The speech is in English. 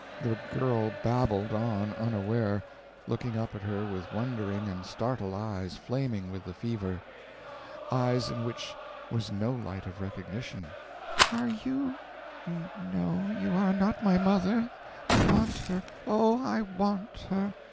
The girl babbled on unaware; looking up at her with wondering and startled eyes flaming with fever, eyes in which was no light of recognition: "Are you no, you are not my mother. I want her oh, I want her!